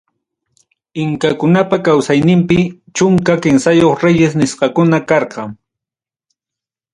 Inkakunapa kawsayninpim chunka kimsayuq reyes nisqakuna karqa.